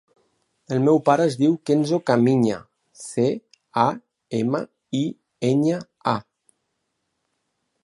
El meu pare es diu Kenzo Camiña: ce, a, ema, i, enya, a.